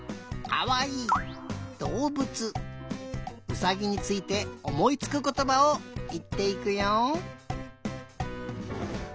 うさぎについておもいつくことばをいっていくよ。